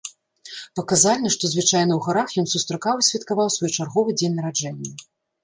Паказальна, што звычайна ў гарах ён сустракаў і святкаваў свой чарговы дзень нараджэння.